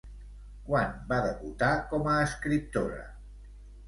Quan va debutar com a escriptora?